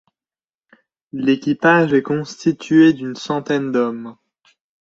L'équipage est constitué d'une centaine d'hommes.